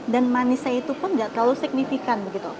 dan manisnya itu pun tidak terlalu signifikan